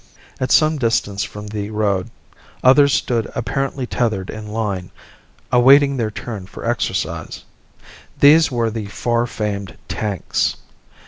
At some distance from the road others stood apparently tethered in line, awaiting their turn for exercise. These were the far famed tanks.